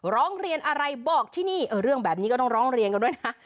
ร้องเรียนอะไรบอกที่นี่เรื่องแบบนี้ก็ต้องร้องเรียนกันด้วยนะ